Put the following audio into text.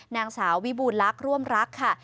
นางสาววิบูรรรคร่วมรักค่ะ